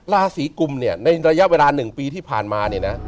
ราศีกุมเนี่ยในระยะเวลา๑ปีที่ผ่านมาเนี่ยนะ